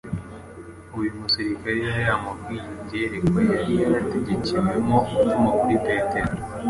uyu musirikare yari yaramubwiye iby’iyerekwa yari yarategekewemo gutuma kuri kuri Petero.